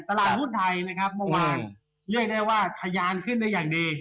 ตลาดหุ้นไทยนะครับเมื่อวานเรียกได้ว่าทะยานขึ้นได้อย่างดี